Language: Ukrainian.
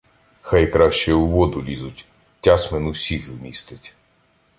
Хай краще у воду лізуть — Тясмин усіх вмістить.